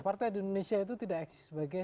partai di indonesia itu tidak eksis sebagai